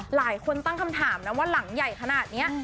หลายคนตั้งคำถามนะว่าหลังใหญ่ขนาดนี้